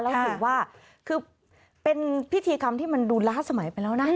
แล้วถือว่าคือเป็นพิธีกรรมที่มันดูล้าสมัยไปแล้วนะ